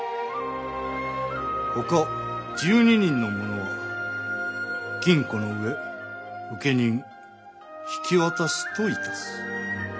他１２人の者は禁錮のうえ請人引き渡しといたす。